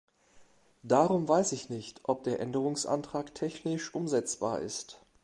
Darum weiß ich nicht, ob der Änderungsantrag technisch umsetzbar ist.